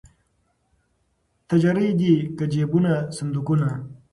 تجرۍ دي که جېبونه صندوقونه